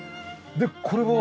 でこれは？